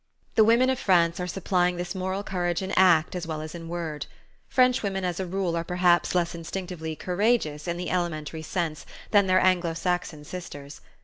The women of France are supplying this moral courage in act as well as in word. Frenchwomen, as a rule, are perhaps less instinctively "courageous," in the elementary sense, than their Anglo Saxon sisters.